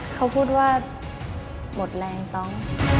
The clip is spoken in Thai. เขาพูดว่าหมดแรงต้อง